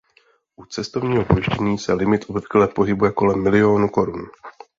U cestovního pojištění se limit obvykle pohybuje kolem milionu korun.